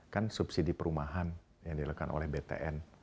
kan subsidi perumahan yang dilakukan oleh btn